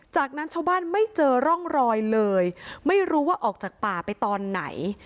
จากนั้นชาวบ้านไม่เจอร่องรอยเลยไม่รู้ว่าออกจากป่าไปตอนไหน